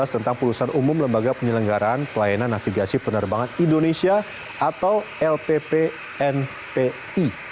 tentang perusahaan umum lembaga penyelenggaraan pelayanan navigasi penerbangan indonesia atau lppnpi